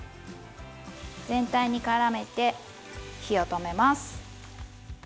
全体に絡めて火を止めます。